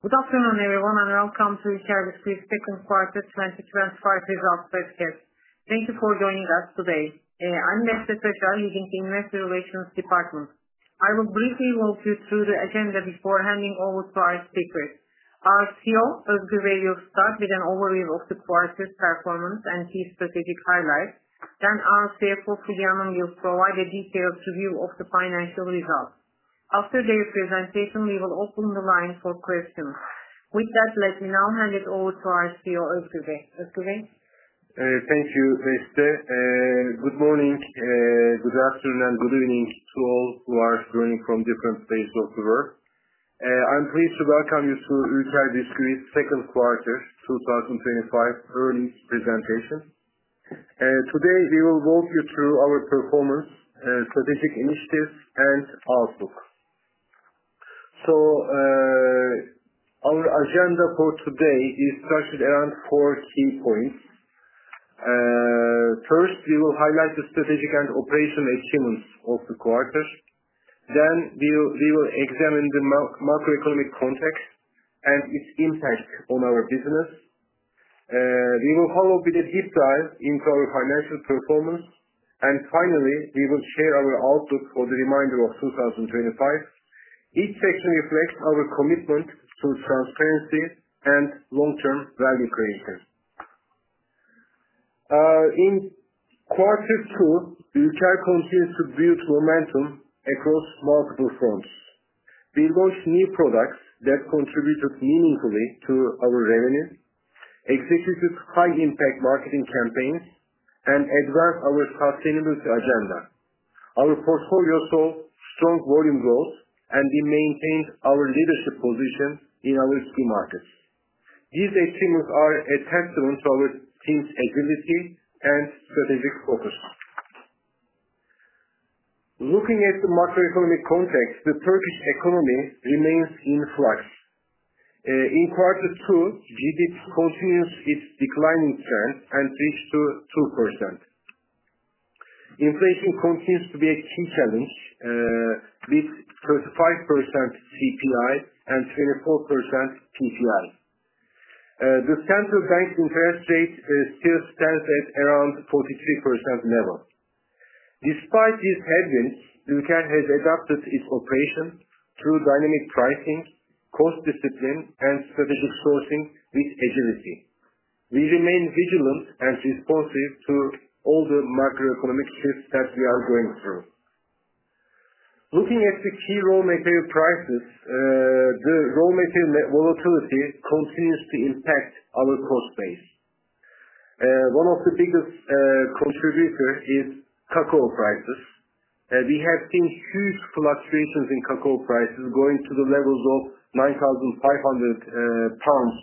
Good afternoon, everyone, and welcome to Ülker Bisküvi Second Quarter 2025 Results Webcast. Thank you for joining us today. I'm Beste Tasar from the Investor Relations Department. I will briefly walk you through the agenda before handing over to our speakers. Our CEO, Özgür, will start with an overview of the project's performance and key strategic highlights. Then, our CFO, Fulya, will provide a detailed review of the financial results. After their presentation, we will open the line for questions. With that, let me now hand it over to our CEO, Özgür. Özgür? Thank you, Beste. Good morning, good afternoon, and good evening to all who are joining from different places of the world. I'm pleased to welcome you to Ülker Bisküvi's Second Quarter 2025 Earnings Presentation. Today, we will walk you through our performance, strategic initiatives, and outlook. Our agenda for today is structured around four key points. First, we will highlight the strategic and operational achievements of the quarter. Then, we will examine the macroeconomic context and its impact on our business. We will follow up with a deep dive into our financial performance. Finally, we will share our outlook for the remainder of 2025. Each section reflects our commitment to transparency and long-term value creation. In quarter two, Ülker continues to build momentum across multiple fronts. They launched new products that contributed meaningfully to our revenue, executed high-impact marketing campaigns, and advanced our sustainability agenda. Our portfolio saw strong volume growth, and we maintained our leadership position in our key markets. These achievements are a testament to our team's agility and strategic focus. Looking at the macroeconomic context, the Turkish economy remains in flux. In quarter two, it continues its declining trend and reached 2%. Inflation continues to be a key challenge, with 35% CPI and 24% PPI. The Central Bank interest rate still stands at around the 43% level. Despite these headwinds, Ülker has adapted its operations through dynamic pricing, cost discipline, and strategic sourcing with agility. We remain vigilant and responsive to all the macroeconomic shifts that we are going through. Looking at the key raw material prices, the raw material volatility continues to impact our cost base. One of the biggest contributors is cacao prices. We have seen huge fluctuations in cacao prices going to the levels of 9,500 pounds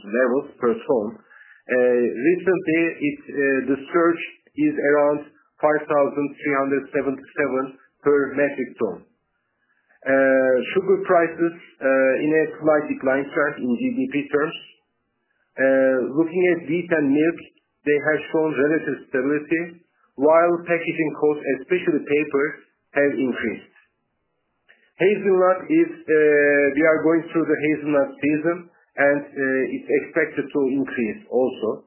per ton. Recently, the surge is around 5,377 per metric ton. Sugar prices in a slight decline in GDP terms. Looking at wheat and milk, they have shown relative stability, while packaging costs, especially paper, have increased. Hazelnut, we are going through the hazelnut season, and it's expected to increase also.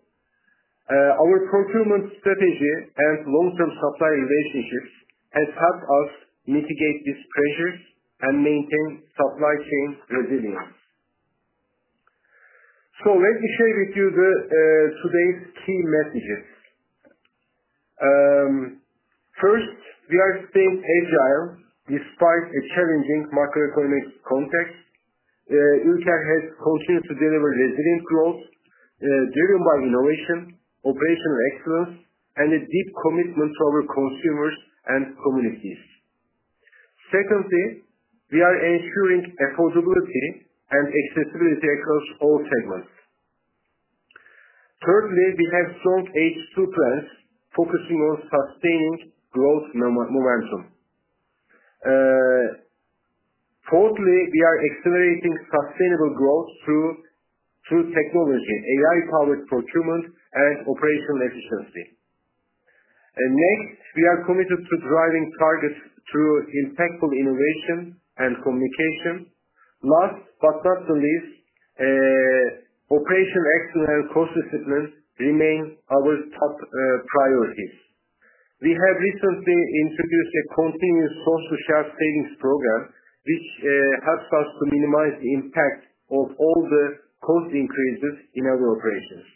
Our procurement strategy and long-term supply relationships have helped us mitigate these pressures and maintain supply chain resilience. Let me share with you today's key messages. First, we are staying agile despite a challenging macroeconomic context. Ülker has continued to deliver resilient growth, driven by innovation, operational excellence, and a deep commitment to our consumers and communities. Secondly, we are ensuring affordability and accessibility across all segments. Thirdly, we have strong H2 plans focusing on sustaining growth momentum. Fourthly, we are accelerating sustainable growth through technology, AI-powered procurement, and operational efficiency. Next, we are committed to driving targets through impactful innovation and communication. Last but not least, operational excellence and cost discipline remain our top priorities. We have recently introduced a continuous cost-to-shelf savings program, which helps us to minimize the impact of all the cost increases in our operations.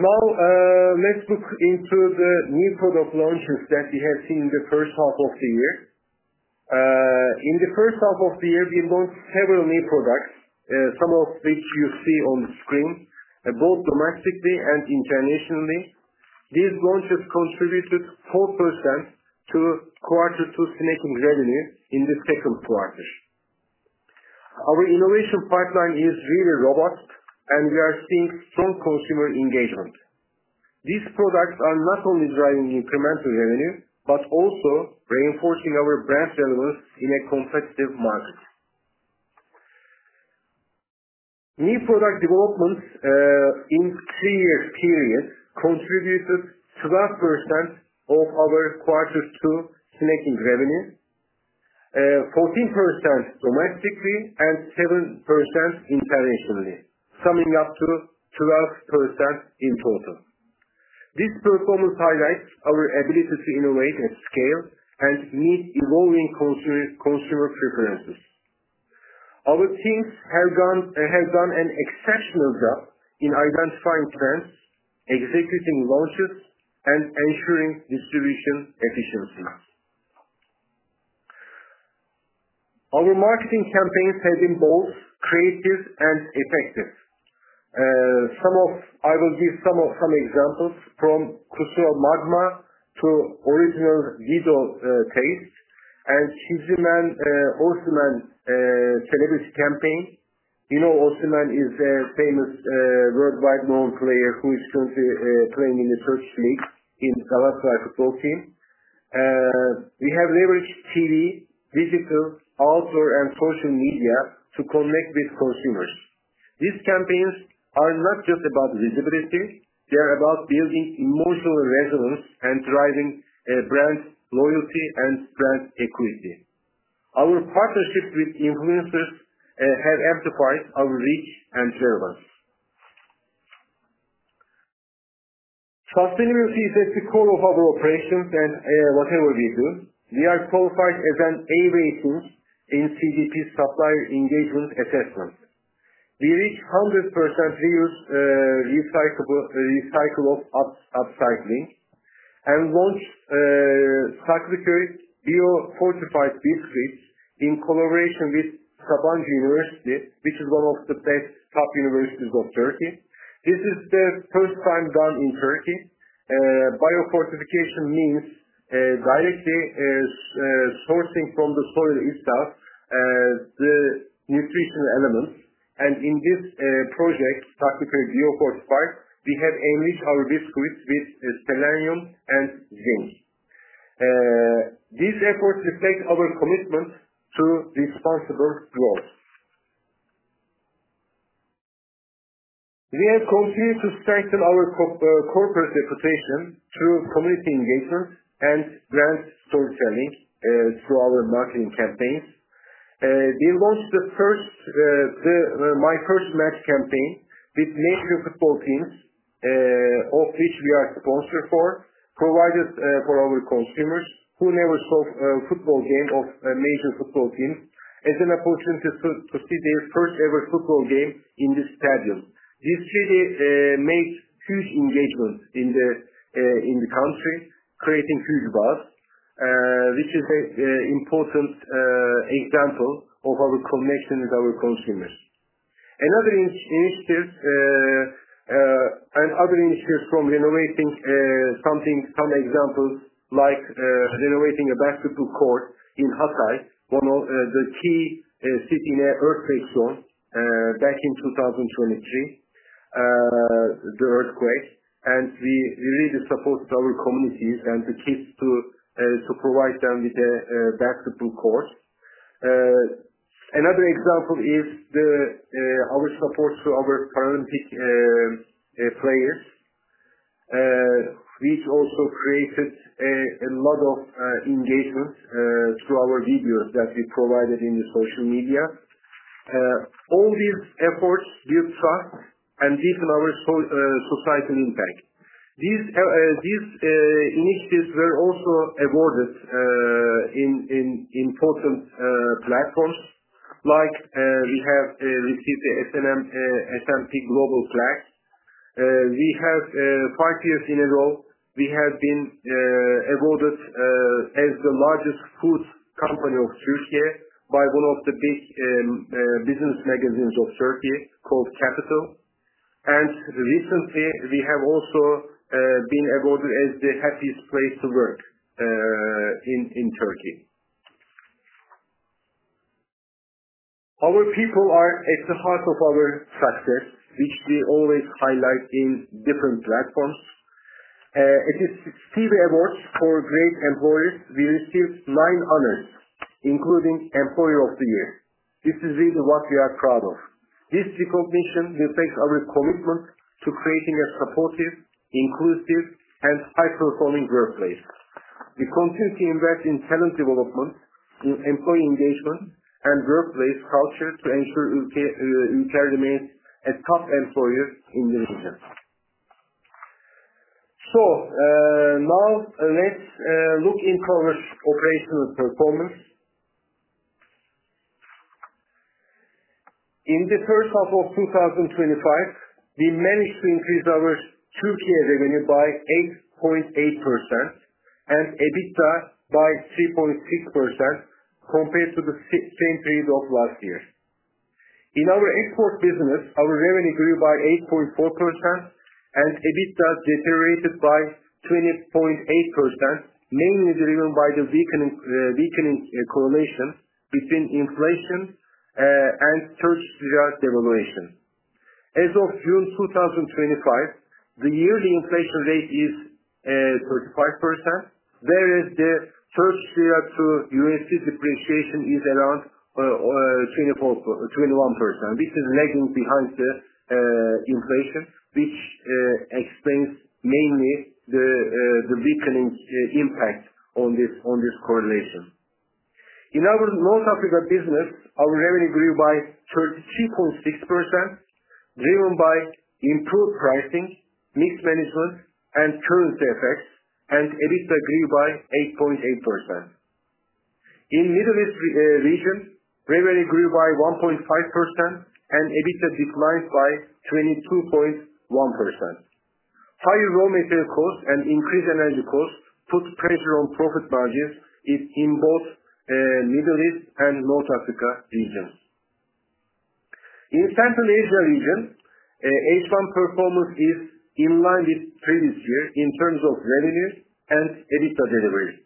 Now, let's look into the new product launches that we have seen in the first half of the year. In the first half of the year, we launched several new products, some of which you see on the screen, both domestically and internationally. These launches contributed 4% to Q2's net revenue in the second quarter. Our innovation pipeline is really robust, and we are seeing strong consumer engagement. These products are not only driving incremental revenue, but also reinforcing our brand relevance in a competitive market. New product development in three years periods contributed 12% of our Q2's net revenue, 14% domestically, and 7% internationally, summing up to 12% in total. This performance highlights our ability to innovate at scale and meet evolving consumer preferences. Our teams have done an exceptional job in identifying trends, executing launches, and ensuring distribution efficiency. Our marketing campaigns have been both creative and effective. I will give some examples from Kusura Magma to Ülker Original Dido taste, and Çizimen ve Osimhen Celebrity Campaign. You know, Victor Osimhen is a famous worldwide known player who is currently playing in the Turkish league in the Galatasaray football team. We have leveraged TV, digital outdoor, and social media to connect with consumers. These campaigns are not just about visibility; they are about building emotional resonance and driving brand loyalty and brand accuracy. Our partnership with influencers has amplified our reach and relevance. Sustainability is at the core of our operations and whatever we do. We are qualified as an A rating in CBP Supplier Engagement Assessment. We reached 100% reusable recycle of upcycling and launched a Sakliköy biofortified biscuit in collaboration with Sabanci University, which is one of the top universities of Turkey. This is the first time done in Turkey. Biofortification means directly sourcing from the soil itself the nutritional elements. In this project, recyclable biofortified, we have enriched our biscuits with selenium and zinc. These efforts reflect our commitment to sustainable growth. We have continued to strengthen our corporate reputation through community engagement and brand social link through our marketing campaigns. We launched the My First Match campaign with major football teams, of which we are sponsors, provided for our consumers who never saw a football game of major football teams as an opportunity to see their first-ever football game in the stadium. This really makes huge engagement in the country, creating huge buzz, which is an important example of our connection with our consumers. Another initiative, some examples like renovating a basketball court in Hatay, one of the key cities in an earthquake zone back in 2023. The earthquake, and we really support our communities and the kids to provide them with a basketball court. Another example is our support to our Paralympic players. This also created a lot of engagement through our videos that we provided in social media. All these efforts give trust and deepen our societal impact. These initiatives were also awarded in important platforms. We have received the S&M Global Flag. For five years in a row, we have been awarded as the largest food company of Turkey by one of the big business magazines of Turkey called Capital. Recently, we have also been awarded as the Happiest Place to Work in Turkey. Our people are at the heart of our success, which we always highlight in different platforms. At the Stevie Awards for Great Employers, we received nine honors, including Employer of the Year. This is really what we are proud of. This recognition reflects our commitment to creating a supportive, inclusive, and high-performing workplace. We continue to invest in talent development, in employee engagement, and workplace culture to ensure Ülker remains a top employer in the region. Now let's look into our operational performance. In the first half of 2025, we managed to increase our Q2 revenue by 8.8% and EBITDA by 3.6% compared to the same period of last year. In our export business, our revenue grew by 8.4% and EBITDA deteriorated by 20.8%, mainly driven by the weakening correlation between inflation and Turkish lira devaluation. As of June 2025, the yearly inflation rate is 35%, whereas the Turkish lira to U.S. dollar depreciation is around 21%. This is lagging behind the inflation, which explains mainly the weakening impacts on this correlation. In our North Africa business, our revenue grew by 33.6%, driven by improved pricing, mix management, and currency effects, and EBITDA grew by 8.8%. In the Middle East region, revenue grew by 1.5% and EBITDA declined by 22.1%. High raw material costs and increased energy costs put pressure on profit margins in both the Middle East and North Africa regions. In the Central Asia region, excellent performance is in line with previous years in terms of revenue and EBITDA delivery.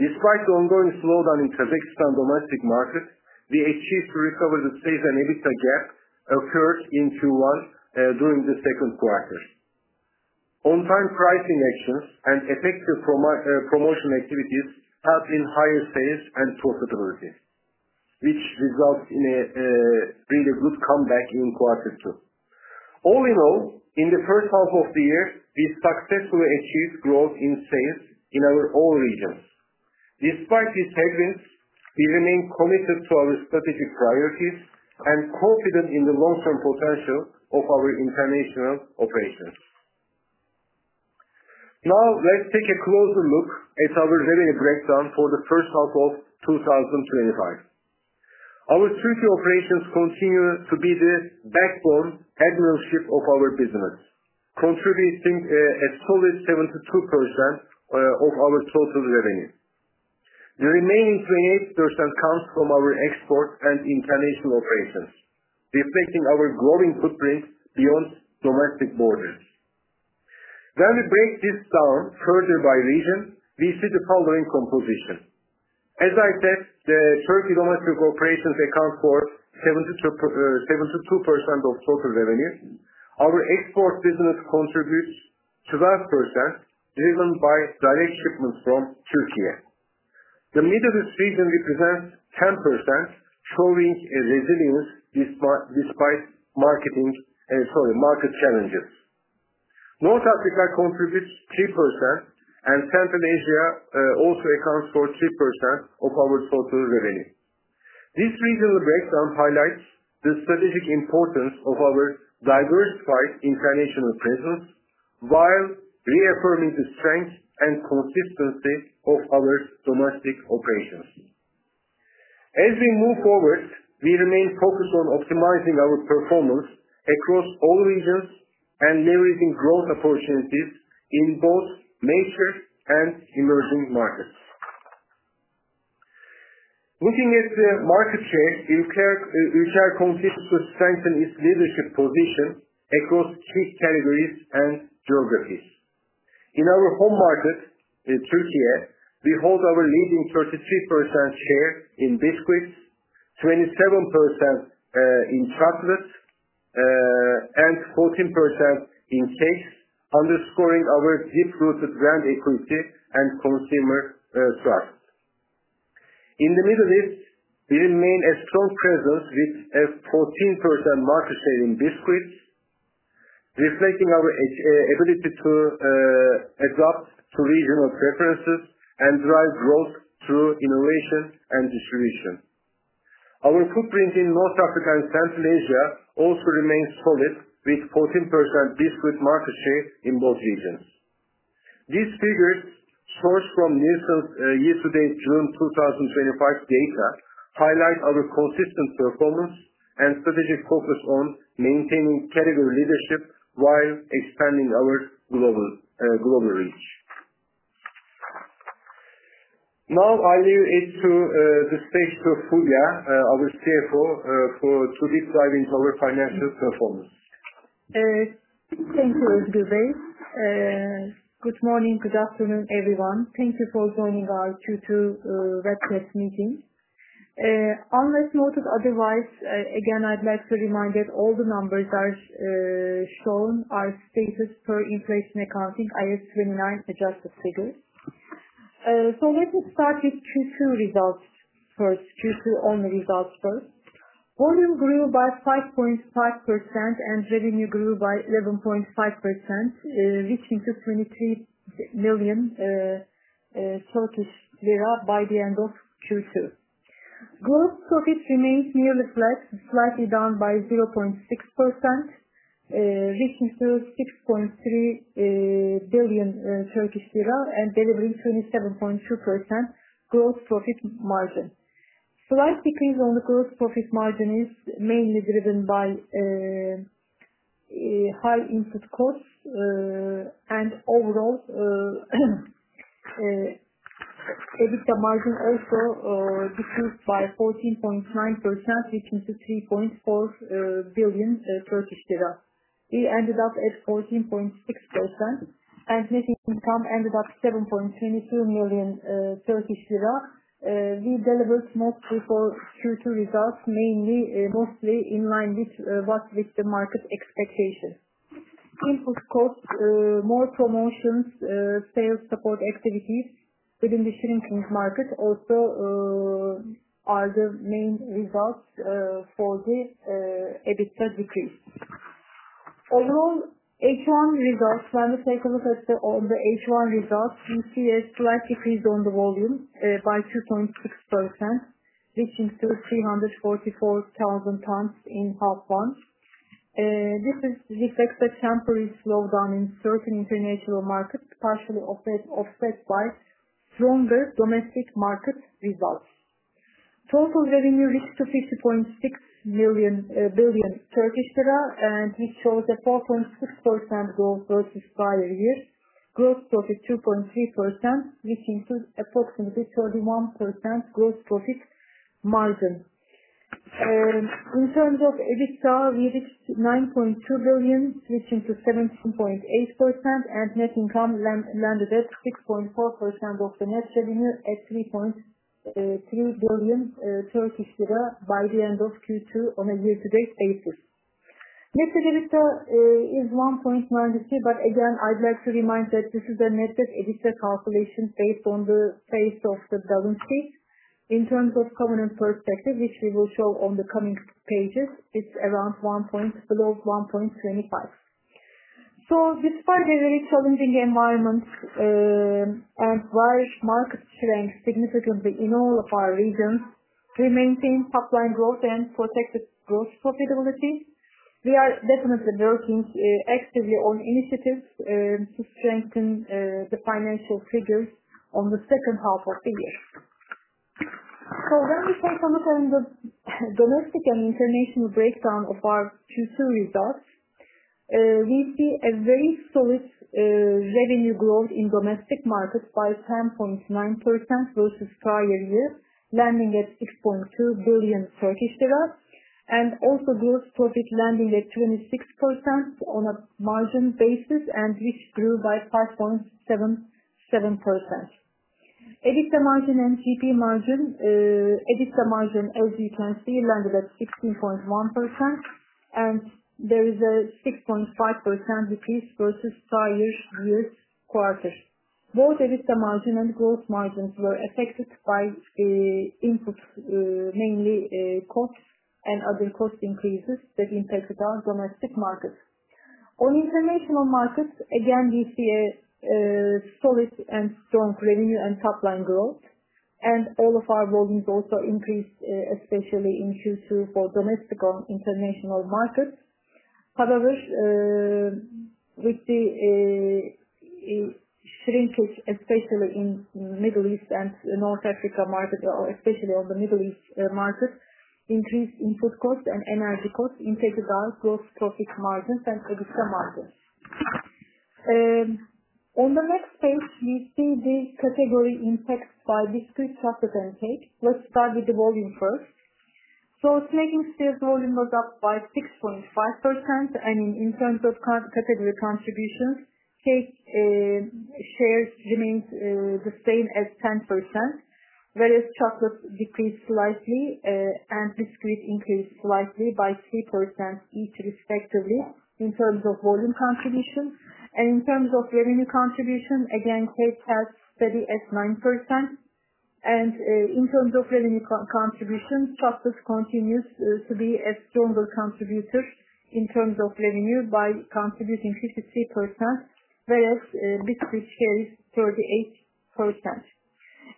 Despite the ongoing slowdown in Kazakhstan's domestic market, we achieved to recover the sales and EBITDA gap occurred in Q1 during the second quarter. On-time pricing actions and effective promotion activities have driven higher sales and profitability, which results in a really good comeback in quarter two. All in all, in the first half of the year, we successfully achieved growth in sales in our own regions. Despite these headwinds, we remain committed to our strategic priorities and confident in the long-term potential of our international operations. Now, let's take a closer look at our revenue breakdown for the first half of 2025. Our Turkey operations continue to be the backbone admiralship of our business, contributing a solid 72% of our total revenue. The remaining 28% comes from our export and international operations, reflecting our growing footprint beyond domestic borders. We break this down further by region. As I said, the Turkish domestic operations account for 72% of total revenue. Our export business contributes 12%, driven by direct shipments from Turkey. The Middle East region represents 10%, showing resilience despite market challenges. North Africa contributes 3%, and Central Asia also accounts for 3% of our total revenue. This regional breakdown highlights the strategic importance of our diversified international presence while reaffirming the strength and consistency of our domestic operations. As we move forward, we remain focused on optimizing our performance across all regions and leveraging growth opportunities in both major and emerging markets. Looking at the market share, Ülker consistently strengthens its leadership position across key categories and geographies. In our home market, Turkey, we hold our leading 33% share in biscuits, 27% in chocolates, and 14% in cakes, underscoring our deep-rooted brand equity and consumer trust. In the Middle East, we remain a strong presence with a 14% market share in biscuits, reflecting our ability to adapt to regional preferences and drive growth through innovation and distribution. Our footprint in North Africa and Central Asia also remains solid, with 14% different market share in both regions. This figure, sourced Nielsen's year-to-date June 2025 data, highlights our consistent performance and strategic focus on maintaining category leadership while expanding our global reach. Now I'll leave it to the stage for Fulya, our CFO, to describe our financial performance. Thank you, Özgür. Good morning, good afternoon, everyone. Thank you for joining our Q2 webcast meeting. Unless noted otherwise, again, I'd like to remind that all the numbers that are shown are stated per Inflation Accounting IAS 39 adjusted figures. Let me start with Q2 results first, Q2 only results first. Volume grew by 5.5% and revenue grew by 11.5%, reaching TRY 23 million by the end of Q2. Global profits remained nearly flat, slightly down by 0.6%, reaching 6.3 billion Turkish lira and delivering 27.2% gross profit margin. Slight decrease on the gross profit margin is mainly driven by high input costs, and overall, EBITDA margin also decreased by 14.9%, reaching 3.4 billion Turkish lira. It ended up at 14.6% and net income ended up at 7.22 million Turkish lira. We delivered mostly for Q2 results, mainly, mostly in line with what the market expectation. Input costs, more promotions, sales support activities within the shipping market also are the main results for the EBITDA decrease. Overall, H1 results, when we take a look at the H1 results, we see a slight decrease on the volume, by 2.6%, reaching 344,000 tons in half months. This is reflected by temporary slowdown in certain international markets, partially offset by stronger domestic market results. Total revenue reached 50.6 billion Turkish lira, and it shows a 4.6% growth versus prior years. Gross profit 2.3%, reaching approximately 31% gross profit margin. In terms of EBITDA, we reached 9.2 billion, reaching 17.8%, and net income landed at 6.4% of the net revenue at 3.3 billion Turkish lira by the end of Q2 on a year-to-date basis. Net EBITDA is 1.92, but again, I'd like to remind that this is a method EBITDA calculation based on the face of the balance sheet. In terms of covenant perspective, which we will show on the coming pages, it's around 1 point below 1.75. Despite a very challenging environment, and while markets trend significantly in all of our regions, we maintain top-line growth and protected gross profitability. We are definitely working actively on initiatives to strengthen the financial figures on the second half of the year. When we take a look at the domestic and international breakdown of our Q2 results, we see a very solid revenue growth in domestic markets by 10.9% versus prior year, landing at 6.2 billion Turkish lira, and also gross profit landing at 26% on a margin basis, and which grew by 5.77%. EBITDA margin and GP margin, EBITDA margin, as you can see, landed at 16.1%, and there is a 6.5% decrease versus prior year's quarter. Both EBITDA margin and growth margins were affected by input, mainly costs and other cost increases that impacted our domestic markets. On international markets, again, we see a solid and strong revenue and top-line growth, and all of our volumes also increased, especially in Q2 for domestic and international markets. However, with the shrinkage, especially in the Middle East and North Africa market, or especially on the Middle East market, increased input costs and energy costs impacted our gross profit margins and EBITDA margins. On the next page, you see the category impacted by biscuits, chocolate, and cake. Let's start with the volume first. So it's making sales volume go up by 6.5%, and in terms of category contributions, cake shares remain the same as 10%, whereas chocolate decreased slightly, and biscuit increased slightly by 3% each, respectively, in terms of volume contribution. In terms of revenue contribution, again, cake has steadied at 9%. In terms of revenue contribution, chocolate continues to be a stronger contributor in terms of revenue by contributing 53%, whereas biscuit share is 38%.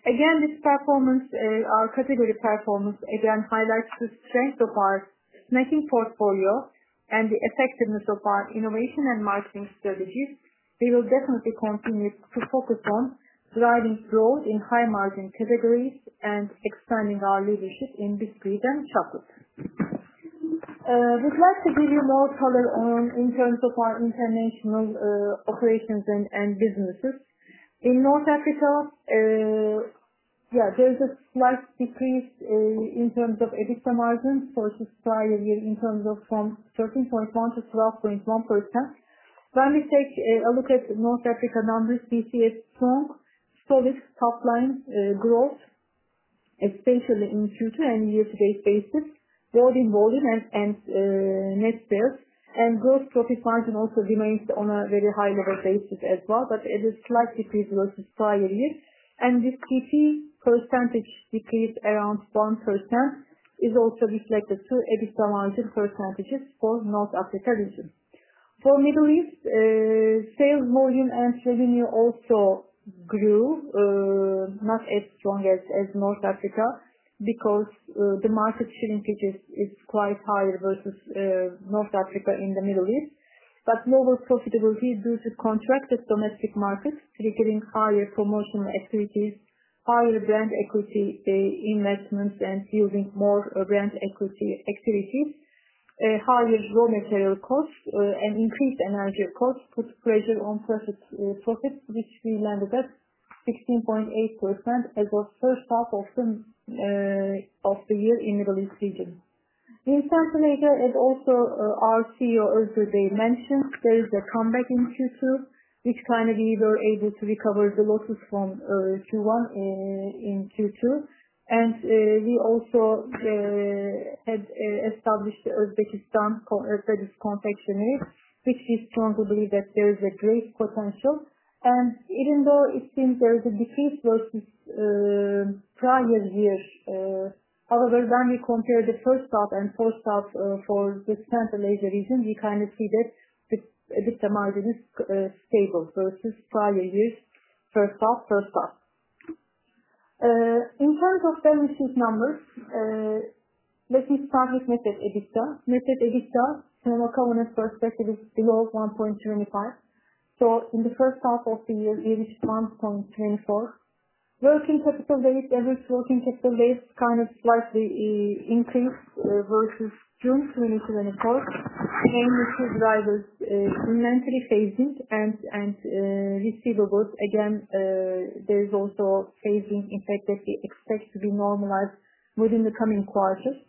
This performance, our category performance, again, highlights the strength of our making portfolio and the effectiveness of our innovation and marketing strategies. We will definitely continue to focus on driving growth in high margin categories and expanding our leadership in biscuit and chocolate. We'd like to give you more color on in terms of our international operations and businesses. In North Africa, there is a slight decrease in terms of EBITDA margin versus prior year in terms of 13.1%-12.1%. When we take a look at North Africa numbers, we see a strong, solid top-line growth, especially in Q2 and year-to-date basis, growth in volume and net sales. Gross profit margin also remains on a very high-level basis as well, but it is a slight decrease versus prior year. The GP percentage decrease around 1% is also reflected through EBITDA margin percentages for North Africa region. For Middle East, sales volume and revenue also grew, not as strong as North Africa because the market share increase is quite higher versus North Africa in the Middle East. Global profitability due to contracted domestic markets triggering higher promotional activities, higher brand equity, investments, and using more brand equity activities, higher raw material costs, and increased energy costs put pressure on profit, which we landed at 16.8% as our first half of the year in the Middle East region. In Central Asia, as also our CEO, Özgür, mentioned, there is a comeback in Q2, which finally we were able to recover the losses from Q1 in Q2. We also established the Uzbekistan produce confectionery, which we strongly believe that there is a great potential. Even though it seems there is a decrease versus prior years, when we compare the first half and first half for the Central Asia region, we kind of see that the EBITDA margin is stable versus prior years, first half. In terms of domestic numbers, let me start with net EBITDA. Net EBITDA from a covenant perspective is below 1.25. In the first half of the year, it reached 5.24. Working capital rate, average working capital rate, slightly increased versus June 2024. This will drive us, mentally phased and receivables. There is also a phased rate effect that we expect to be normalized within the coming quarters.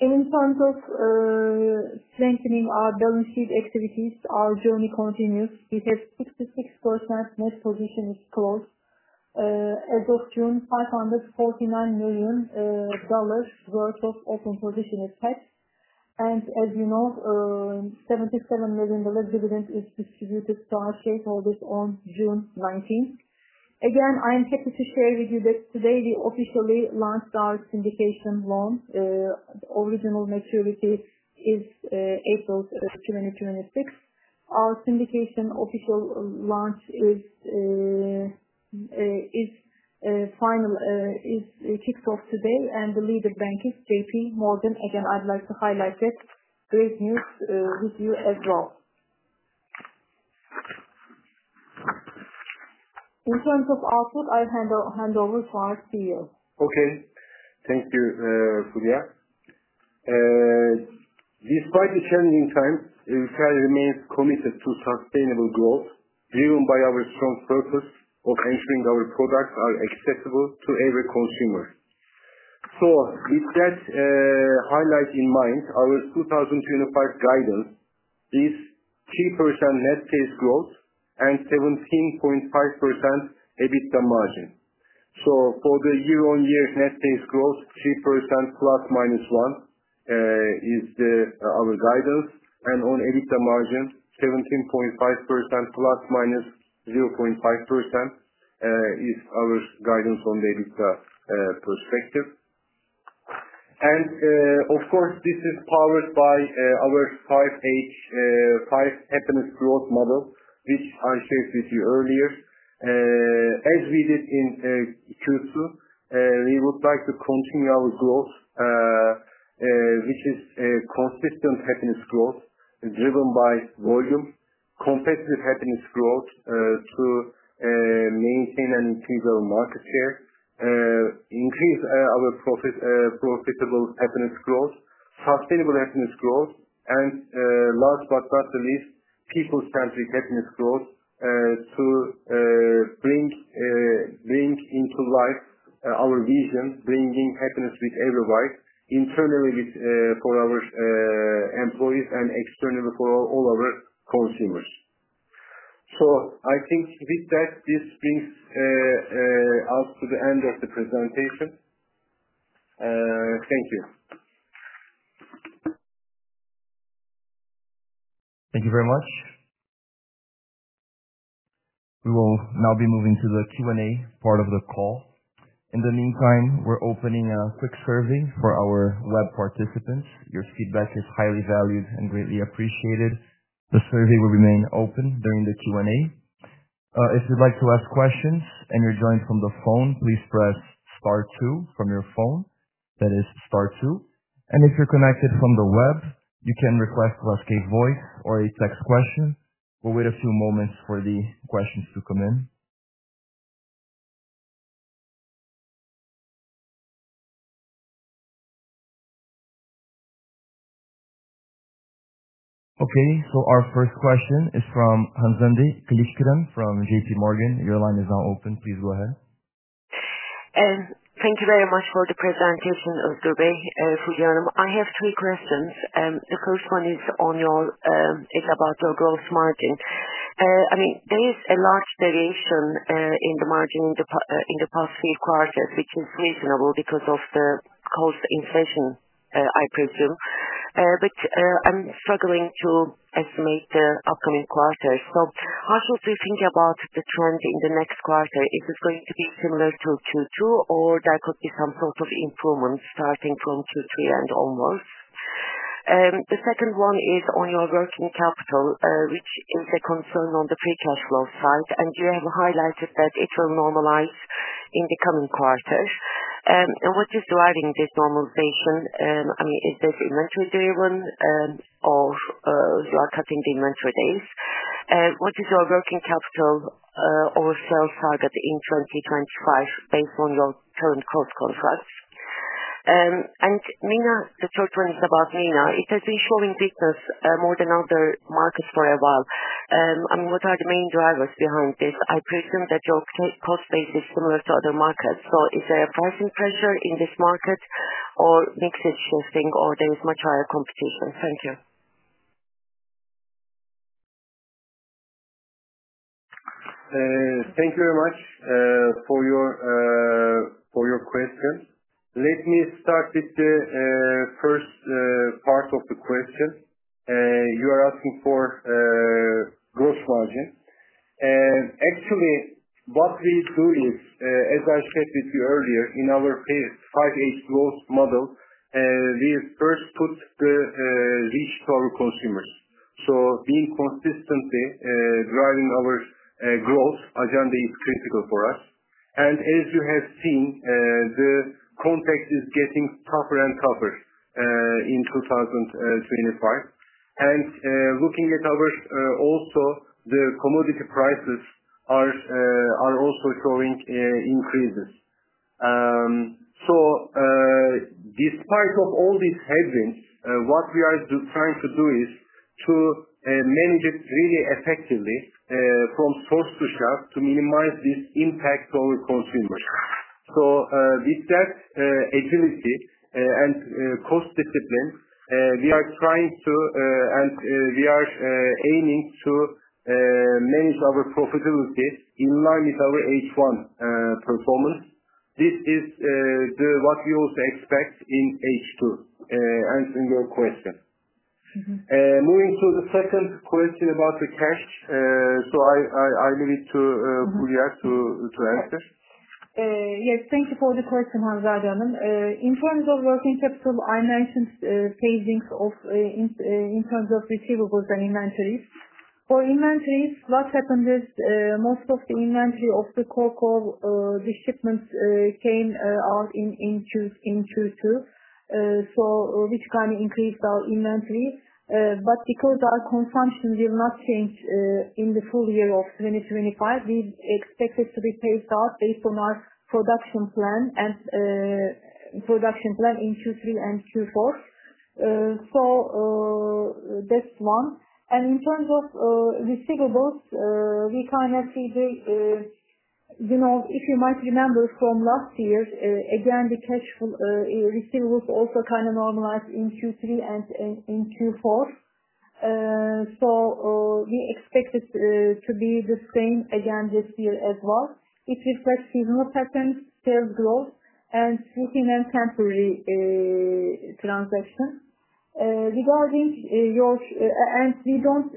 In terms of strengthening our balance sheet activities, our journey continues. We have 66% net positioning scores. As of June, $549 million worth of open positions hit. As you know, $77 million dividend is distributed to our shareholders on June 19. I'm happy to share with you that today we officially launched our syndication launch. Original maturity is April of 2026. Our syndication official launch is final, is kickoff today, and the leader bank is JPMorgan. I'd like to highlight that. Great news, with you as well. In terms of output, I'll hand over to our CEO. Okay. Thank you, Fulya. Despite the challenging times, Ülker remains committed to sustainable growth, driven by our strong focus of ensuring our products are accessible to every consumer. With that highlight in mind, our 2025 guidance is 3% net sales growth and 17.5% EBITDA margin. For the year-on-year net sales growth, 3% ± 1% is our guidance. On EBITDA margin, 17.5% ± 0.5% is our guidance on the EBITDA perspective. This is powered by our 5H, 5 happiness growth model, which I shared with you earlier. As we did in Q2, we would like to continue our growth, which is a consistent happiness growth driven by volume, competitive happiness growth to maintain an increase of market share, increase our profitable happiness growth, sustainable happiness growth, and, last but not the least, people-centered happiness growth to bring into life our vision, bringing happiness with everyone, internally for our employees and externally for all our consumers. I think with that, this brings us to the end of the presentation. Thank you. Thank you very much. We will now be moving to the Q&A part of the call. In the meantime, we're opening a quick survey for our web participants. Your feedback is highly valued and greatly appreciated. The survey will remain open during the Q&A. If you'd like to ask questions and you're joined from the phone, please press star two from your phone. That is star two. If you're connected from the web, you can request to ask a voice or a text question. We'll wait a few moments for the questions to come in. Okay. Our first question is from Hanzade Kilickiran from JPMorgan. Your line is now open. Please go ahead. Thank you very much for the presentation, Özgür and Fulya. I have three questions. The first one is about your gross margin. I mean, there is a large variation in the margin in the past three quarters, which is reasonable because of the cost inflation, I presume. I'm struggling to estimate the upcoming quarter. How do you think about the trend in the next quarter? Is it going to be similar to Q2, or could there be some sort of improvement starting from Q3? The second one is on your working capital, which is a concern on the paper flow side. You have highlighted that it will normalize in the coming quarter. What is driving this normalization? Is this inventory driven, or are you cutting the inventory days? What is your working capital or sales target in 2025 based on your current cost conference? And MENA, the third one is about MENA. It has been showing weakness, more than other markets for a while. What are the main drivers behind this? I presume that your cost base is similar to other markets. Is there a pricing pressure in this market, or weakness you're seeing, or is there much higher competition? Thank you. Thank you very much for your questions. Let me start with the first part of the questions. You are asking for gross margins. Actually, what we do is, as I said with you earlier, in our past 5H growth model, we first put the reach to our consumers. Being consistently driving our growth agenda is critical for us. As you have seen, the context is getting tougher and tougher in 2025. Looking at ours, also, the commodity prices are also showing increases. Despite all these headwinds, what we are trying to do is to manage it really effectively from source to shelf to minimize this impact to our consumers. With that agility and cost discipline, we are trying to, and we are aiming to, manage our profitabilities in line with our H1 performance. This is what we also expect in H2, answering your question. Moving to the second question about the cash, I leave it to Fulya to answer. Yes. Thank you for the question, Hanzade. In terms of working capital, I mentioned phasing of, in terms of receivables and inventories. For inventories, what happens is most of the inventory of the core core shipments came out in Q2, which kind of increased our inventory. Because our consumption will not change, in the full year of 2025, we expect it to be phased out based on our production plan in Q3 and Q4. That's one. In terms of receivables, we kind of see the, you know, if you might remember from last year, again, the cash flow, receivables also kind of normalized in Q3 and in Q4. We expect it to be the same again this year as well. It will be a question of patterns, sales growth, and floating and temporary transactions. Regarding yours, and we don't,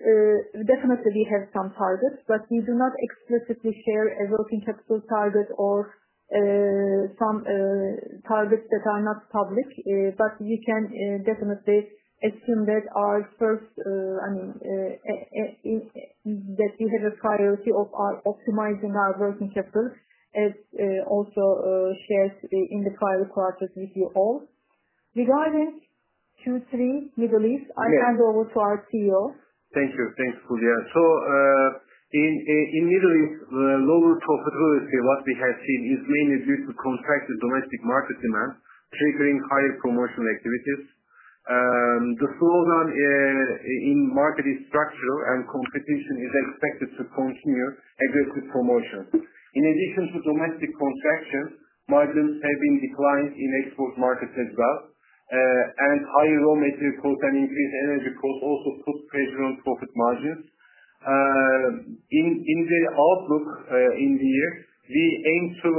definitely, we have some targets, but we do not explicitly share a working capital target or some targets that are not public. We can definitely assume that you have a priority of optimizing our working capital as also shared in the prior quarters with you all. Regarding Q3 Middle East, I'll hand over to our CEO. Thank you. Thanks, Fulya. In Middle East, the lower profitability, what we have seen is mainly due to contracted domestic market demand, triggering higher commercial activities. The slowdown in market is structural, and competition is expected to continue agricultural promotion. In addition to domestic contraction, margins have been declining in export markets as well. Higher raw material costs and increased energy costs also put pressure on profit margins. In the outlook, in the year, we aim to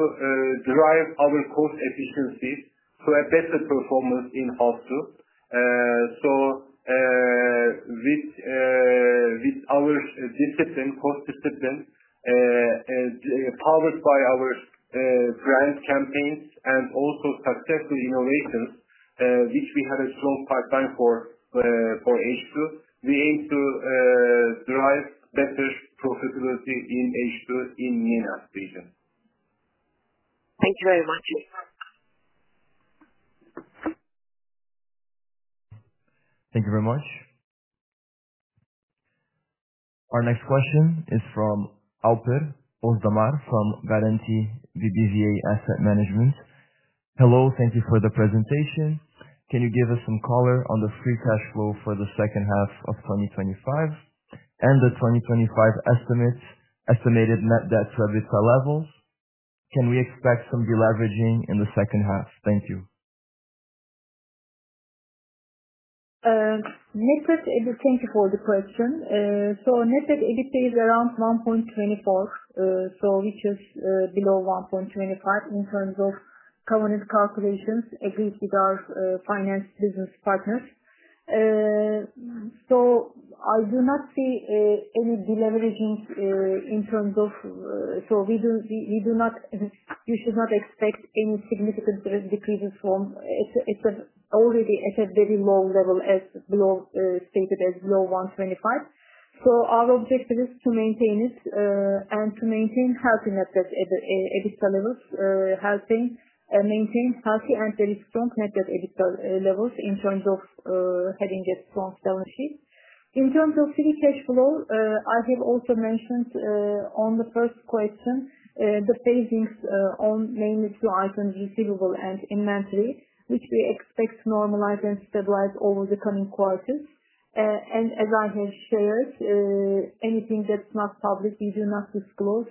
drive our cost efficiency to a better performance in half two. With our discipline, cost discipline, powered by our brand campaigns and also successful innovations, which we have a strong pipeline for, for H2, we aim to drive better profitability in H2 in the MENA region. Thank you very much. Thank you very much. Our next question is from Alper Ozdamar from Garanti BBVA Asset Management. "Hello, thank you for the presentation. Can you give us some color on the free cash flow for the second half of 2025 and the 2025 estimated net debt to EBITDA levels? Can we expect some deleveraging in the second half?" Thank you. Net debt to EBITDA, thank you for the question. Net debt to EBITDA is around 1.24, which is below 1.25 in terms of covenant calculations agreed with our finance business partners. I do not see any deleveraging in terms of, we do not, we should not expect any significant decreases from already at a very low level as stated as below 1.25. Our objective is to maintain it and to maintain healthy net debt to EBITDA levels, helping maintain healthy and very strong net debt to EBITDA levels in terms of having a strong balance sheet. In terms of free cash flow, I have also mentioned on the first question the phasing on mainly two items, receivable and inventory, which we expect to normalize and stabilize over the coming quarters. As I have shared, anything that's not public, we do not disclose.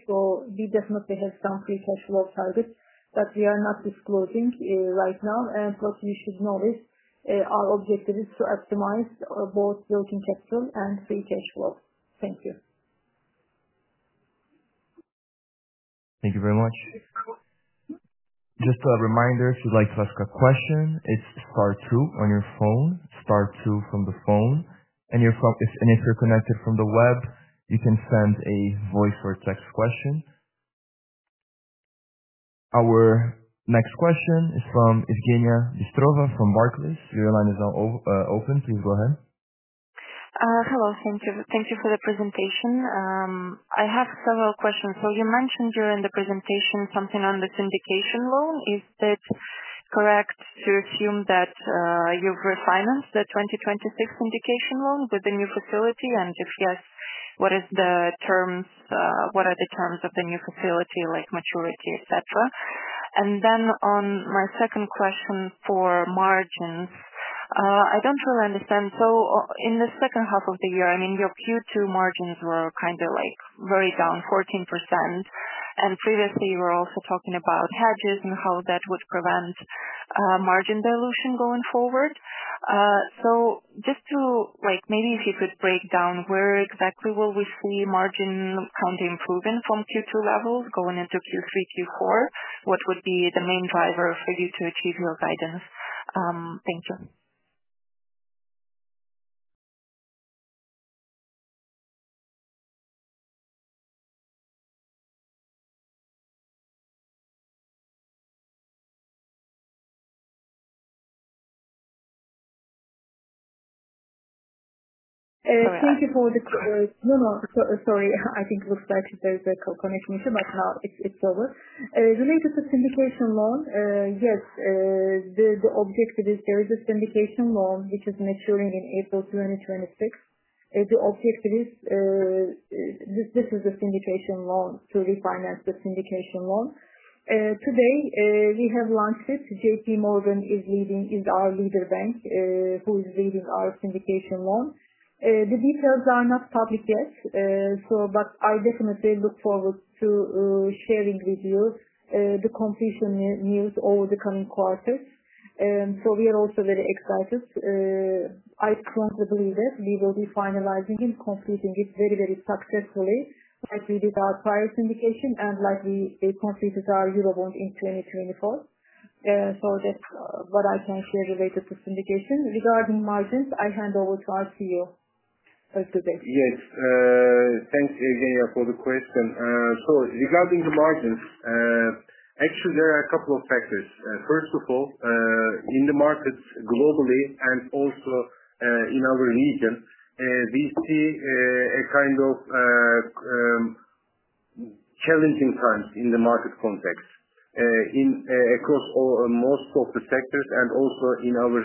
We definitely have some free cash flow targets, but we are not disclosing right now. As you should know, our objective is to optimize both working capital and free cash flow. Thank you. Thank you very much. Just a reminder, if you'd like to ask a question, it's star two on your phone, star two from the phone. If you're connected from the web, you can send a voice or text question. Our next question is from Evgeniya Bystrova from Barclays. Your line is now open. Please go ahead. Hello. Thank you. Thank you for the presentation. I have several questions. You mentioned during the presentation something on the syndication loan. Is that correct to assume that you've refinanced the 2026 syndication loan with the new facility? If yes, what are the terms of the new facility, like maturity, etc.? My second question for margins, I don't really understand. In the second half of the year, I mean, your Q2 margins were kind of like very down, 14%. Previously, you were also talking about hedges and how that would prevent margin dilution going forward. Maybe if you could break down where exactly will we see margin funding improving from Q2 levels going into Q3, Q4? What would be the main driver for you to achieve your guidance? Thank you. Thank you for the, sorry. I think it looks like there is connection right now, but now it's over. Related to syndication loan, yes, the objective is there is a syndication loan, which is maturing in April 2026. The objective is, this is a syndication loan to refinance the syndication loan. Today, we have launched it. JPMorgan is leading our leader bank, who is leading our syndication loan. The details are not public yet, but I definitely look forward to sharing with you the completion news over the coming quarters. We are also very excited. I can't believe it. We will be finalizing and completing it very, very successfully as we did our prior syndication and like we completed our Eurobond in 2024. That's what I can say related to syndication. Regarding margins, I hand over to our CEO, Özgür. Yes. Thanks, Evgeniya for the question. Regarding the margins, actually, there are a couple of factors. First of all, in the markets globally and also in our region, we see challenging times in the market context across most of the sectors and also in our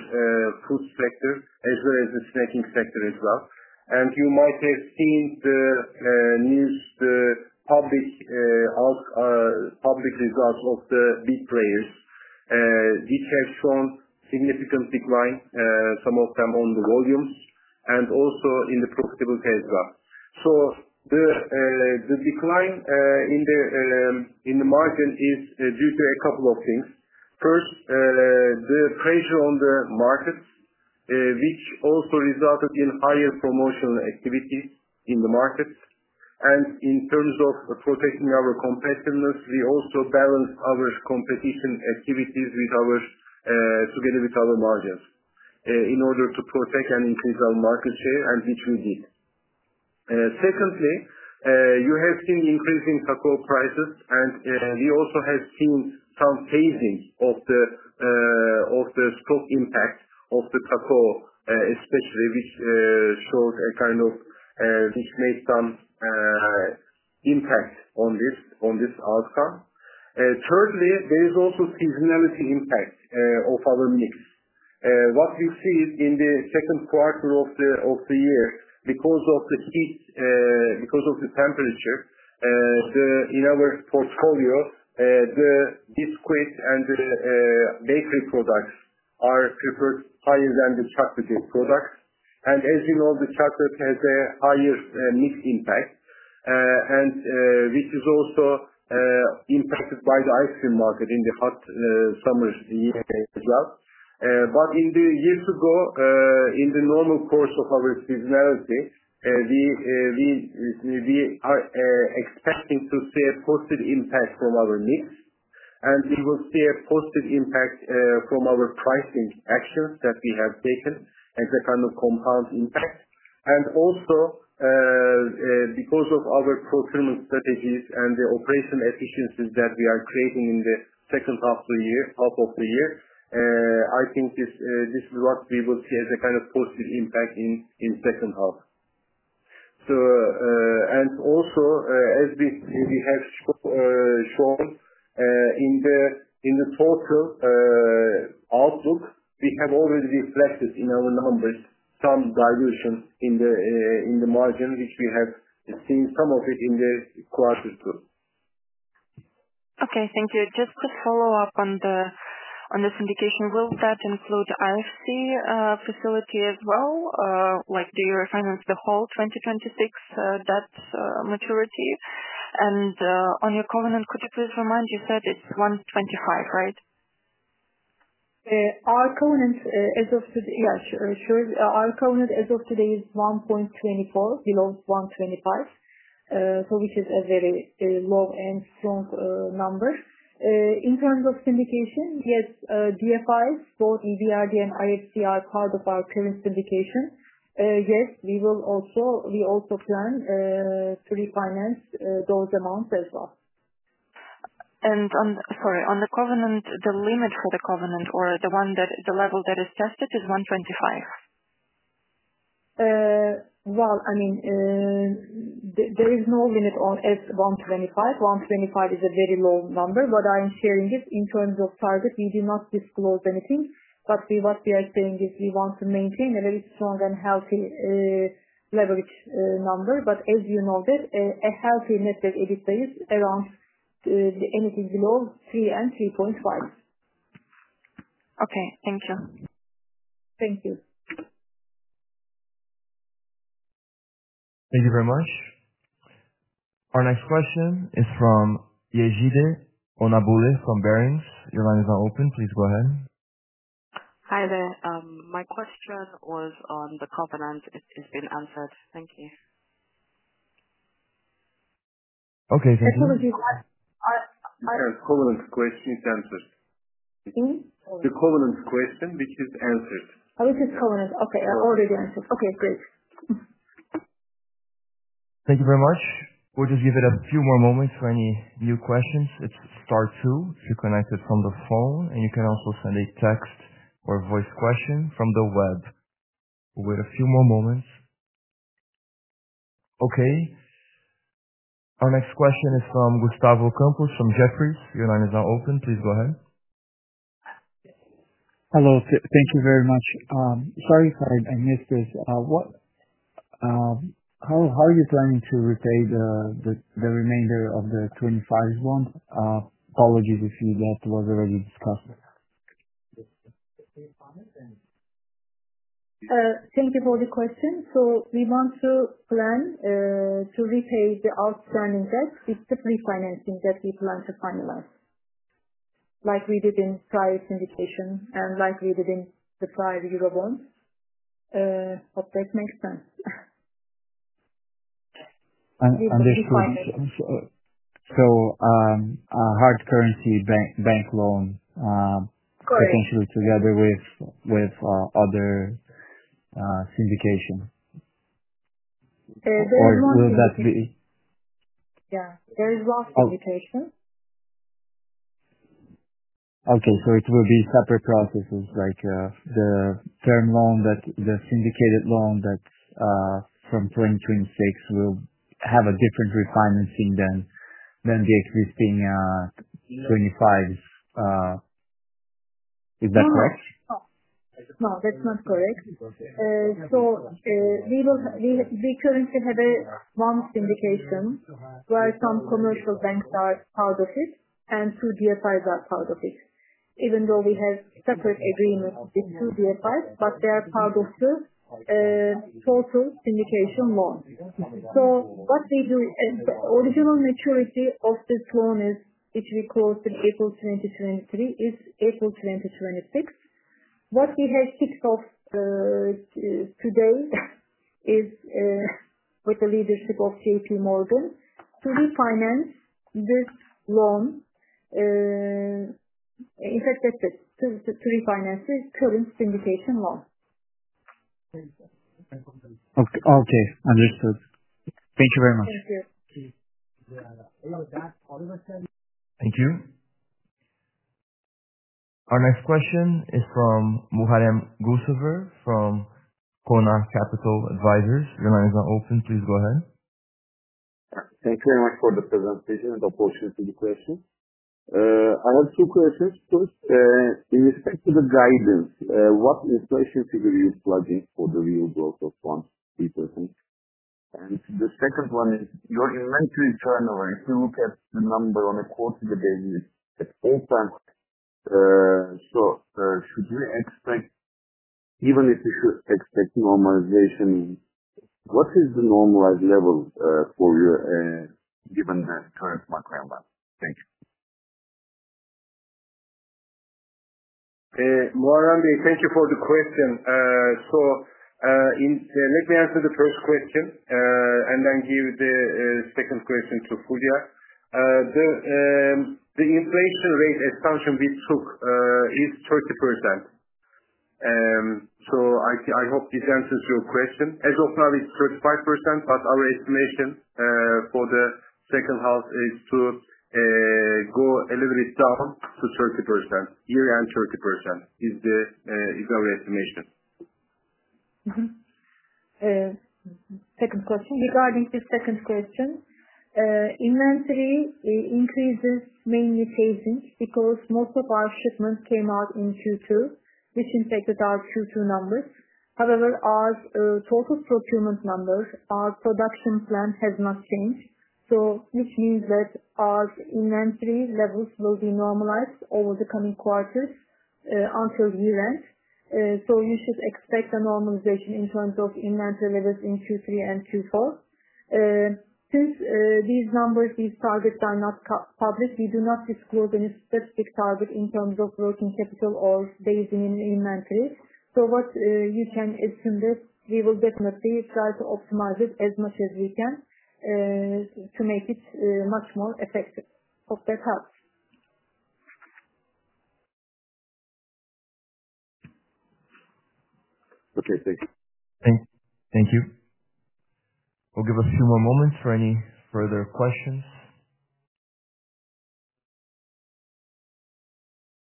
food sector as well as the snacking sector. You might have seen the news, the published public results of the big players, which have shown significant decline, some of them on the volume and also in the profitability as well. The decline in the margin is due to a couple of things. First, the pressure on the markets, which also resulted in higher promotional activities in the markets. In terms of protecting our competitiveness, we also balance our competition activities together with our margins in order to protect and improve our market share and distribute. Secondly, you have seen the increasing cocoa prices, and we also have seen some phasing of the stock impact of the cocoa, especially, which made some impact on this outcome. Thirdly, there is also seasonality impact of our mix. What we see is in the second quarter of the year, because of the heat, because of the temperature, in our portfolio, the biscuit and the bakery products are preferred higher than the chocolate products. As you know, the chocolate has a higher mix impact, which is also impacted by the ice cream market in the hot summer year as well. In the year to go, in the normal course of our seasonality, we are expecting to see a positive impact from our mix. We will see a positive impact from our pricing actions that we have taken as a kind of compound impact. Also, because of our procurement strategies and the operational efficiencies that we are creating in the second half of the year, I think this is what we will see as a kind of positive impact in the second half. As we have shown in the total outlook, we have already reflected in our numbers some dilution in the margin, which we have seen some of it in quarter two. Okay. Thank you. Just to follow up on this syndication, will that include the IFC facility as well? Do you refinance the whole 2026 debt maturity? On your covenant, could you please remind, you said it's 1.25, right? Our covenant as of today is 1.24, below 1.25, which is a very low and strong number. In terms of syndication, yes, DFIs, both EBRD and IFC are part of our current syndication. Yes, we also plan to refinance those amounts as well. And sorry, on the covenant, the limit for the covenant or the one that the level that is tested is 1.25? There is no limit on 1.25. 1.25 is a very low number, but I am sharing it in terms of target. We do not disclose anything, but what we are saying is we want to maintain a very strong and healthy leverage number. As you know, a healthy net debt to EBITDA is around anything below 3 and 3.5. Okay, thank you. Thank you. Thank you very much. Our next question is from Yejide Onabule from Barings. Your line is now open. Please go ahead. Hi there. My question was on the covenant. It's been answered. Thank you. Okay, thank you. Technology. Yes, covenant question is answered. Excuse me? The covenant question, which is answered. Oh, this is covenant. Okay. I already answered. Okay. Great. Thank you very much. We'll just give it a few more moments for any viewer questions. It's star two if you're connected from the phone, and you can also send a text or voice question from the web. We'll wait a few more moments. Okay. Our next question is from Gustavo Campos from Jefferies. Your line is now open. Please go ahead. Hello. Thank you very much. Sorry if I missed this. How are you planning to repay the remainder of the 2025 loan? Apologies if that was already discussed. Thank you for the question. We want to plan to repay the outstanding debt with the pre-financing that we plan to finalize, like we did in the prior syndication and like we did in the prior Eurobonds. Hope that makes sense. And. And refinance. A hard currency bank loan, potentially together with other syndication. There is a lot. Will that be? Yeah, there is a lot of syndication. Okay. It will be separate processes, right? The term loan, the syndicated loan that's from 2026, will have a different refinancing than the existing 2025. Is that correct? No, that's not correct. We currently have one syndication where some commercial banks are part of it and two DFIs are part of it. Even though we have separate agreements between two DFIs, they are part of the total syndication loan. The original maturity of this loan, which we closed in April 2023, is April 2026. What we have fixed as of today is, with the leadership of JPMorgan, to refinance this loan. In fact, that's it, to refinance the current syndication loan. Okay, understood. Thank you very much. Thank you. Thank you. Our next question is from Muharrem Gulsever from Kona Capital Advisors. Your line is now open. Please go ahead. Thanks very much for the presentation and the opportunity question. I have two questions. First, in respect to the guidance, what inspiration should we use plug-in for the real growth of 1%? The second one is your inventory turnover. If you look at the number on the quarterly basis, it's all time. Should we expect, even if we should expect normalization, what is the normalized level, for you, given the current market environment? Thank you. Muharrem, thank you for the question. Let me answer the first question, and then give the second question to Fulya. The inflation rate expansion we took is 30%. I hope this answers your question. As of now, it's 35%, but our estimation for the second half is to go a little bit down to 30%. Year-end 30% is our estimation. Second question. Regarding the second question, inventory increases mainly phasing because most of our shipments came out in Q2. This impacted our Q2 numbers. However, our total procurement numbers, our production plan has not changed. This means that our inventory levels will be normalized over the coming quarters, until year-end. You should expect a normalization in terms of inventory levels in Q3 and Q4. Since these numbers, these targets are not public, we do not disclose any specific target in terms of working capital or phasing in inventory. You can assume that we will definitely try to optimize it as much as we can, to make it much more effective. Hope that helps. Okay, thank you. Thank you. Thank you. We'll give a few more moments for any further questions.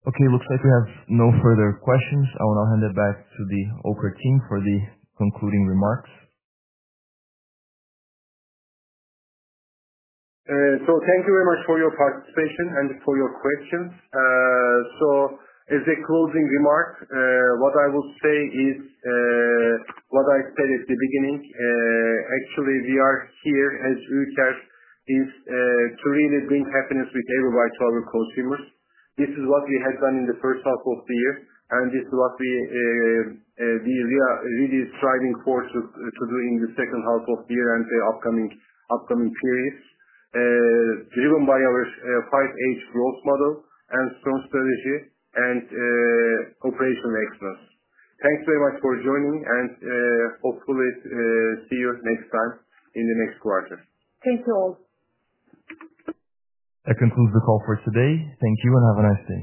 Okay. It looks like we have no further questions. I will now hand it back to the Ülker team for the concluding remarks. Thank you very much for your participation and for your questions. As a closing remark, what I would say is, what I said at the beginning, actually, we are here as Ülker to really bring happiness with everybody to our consumers. This is what we have done in the first half of the year, and this is what we are really striving for to do in the second half of the year and the upcoming period, driven by our 5H growth model and strong strategy and operational excellence. Thanks very much for joining, and hopefully, see you next time in the next quarter. Thank you all. That concludes the call for today. Thank you and have a nice day.